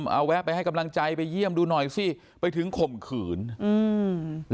เอาแวะไปให้กำลังใจไปเยี่ยมดูหน่อยสิไปถึงข่มขืนอืม